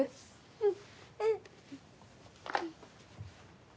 うん。